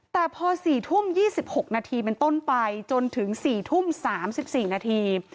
แต่พอ๔ทุ่ม๒๖นาทีเป็นต้นไปจนถึง๔ทุ่ม๓๔นาที